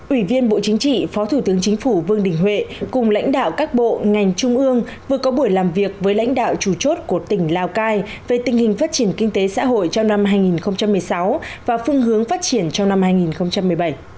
ủy viên bộ chính trị phó thủ tướng chính phủ vương đình huệ cùng lãnh đạo các bộ ngành trung ương vừa có buổi làm việc với lãnh đạo chủ chốt của tỉnh lào cai về tình hình phát triển kinh tế xã hội trong năm hai nghìn một mươi sáu và phương hướng phát triển trong năm hai nghìn một mươi bảy